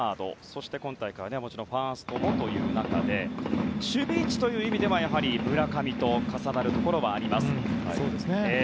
そして今大会はファーストもという中で守備位置という意味では村上と重なるところはあります。